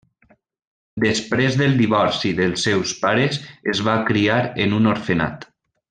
Després del divorci dels seus pares es va criar en un orfenat.